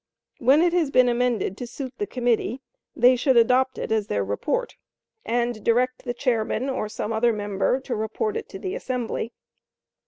When it has been amended to suit the committee, they should adopt it as their report, and direct the chairman or some other member to report it to the assembly.